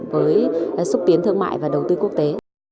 với xúc tiến thương mại và đầu tư quốc tế